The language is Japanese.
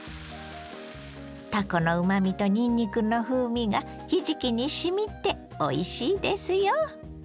たこのうまみとにんにくの風味がひじきにしみておいしいですよ。